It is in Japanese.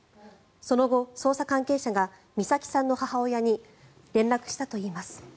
その後、捜査関係者が美咲さんの母親に連絡したといいます。